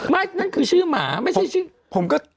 ไม่นั่นคือชื่อหมาไม่ใช่ชื่อ